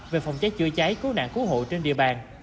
về phòng cháy chữa cháy cứu nạn cứu hộ trên địa bàn